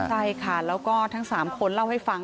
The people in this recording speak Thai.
ใช่ค่ะแล้วก็ทั้ง๓คนเล่าให้ฟัง